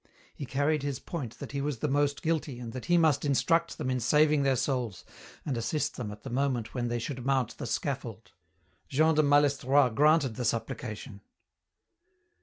He carried his point that he was the most guilty and that he must instruct them in saving their souls and assist them at the moment when they should mount the scaffold. Jean de Malestroit granted the supplication.